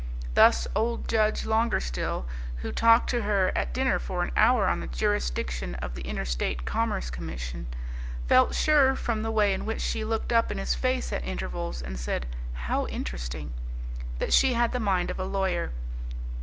Thus old Judge Longerstill, who talked to her at dinner for an hour on the jurisdiction of the Interstate Commerce Commission, felt sure from the way in which she looked up in his face at intervals and said, "How interesting!" that she had the mind of a lawyer.